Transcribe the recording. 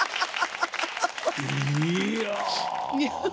いや。